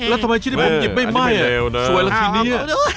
แล้วทำไมชีกแป้งไม่ไหม้สวยละทีนี้